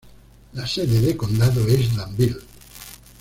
La sede de condado es Danville.